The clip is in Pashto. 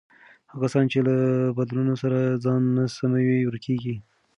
هغه کسان چې له بدلونونو سره ځان نه سموي، ورکېږي.